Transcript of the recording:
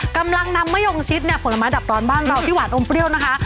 กำลังนำมะยงชิดเนี่ยผลไม้ดับร้อนบ้านเราที่หวานอมเปรี้ยวนะคะ